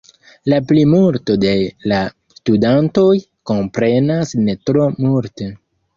La plimulto de la studantoj komprenas ne tro multe.